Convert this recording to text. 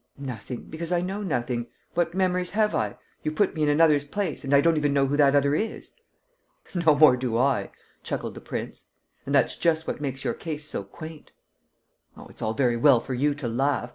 "Nothing, because I know nothing. What memories have I? You put me in another's place and I don't even know who that other is." "No more do I!" chuckled the prince. "And that's just what makes your case so quaint." "Oh, it's all very well for you to laugh ..